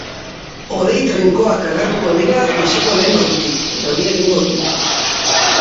Hodei trinkoak agertuko dira goizeko lehen ordutik, eta euria egingo du.